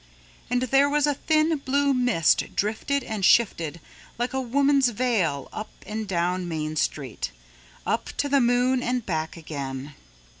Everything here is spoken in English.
And there was a thin blue mist drifted and shifted like a woman's veil up and down Main Street, up to the moon and back again.